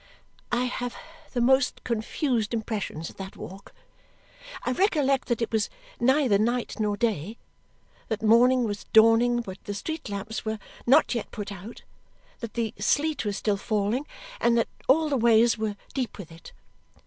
I have the most confused impressions of that walk. I recollect that it was neither night nor day, that morning was dawning but the street lamps were not yet put out, that the sleet was still falling and that all the ways were deep with it.